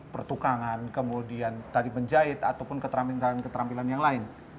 pertukangan kemudian tadi menjahit ataupun keterampilan keterampilan yang lain